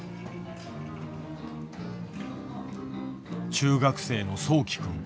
中学生のそうき君。